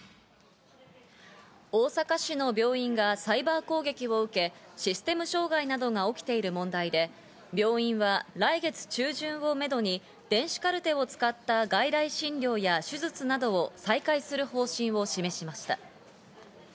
大阪市の病院がサイバー攻撃を受け、システム障害などが起きている問題で、病院は来月中旬をめどに電子カルテを使った外来診療や手術などを再開する方針を示しました。